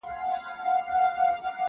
مرور له پلاره ولاړی په غصه سو،